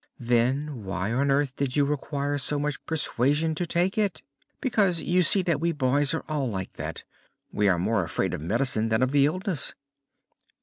"Then why on earth did you require so much persuasion to take it?" "Because you see that we boys are all like that! We are more afraid of medicine than of the illness."